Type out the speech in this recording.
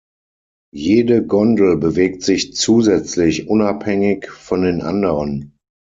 Jede Gondel bewegt sich zusätzlich unabhängig von den anderen.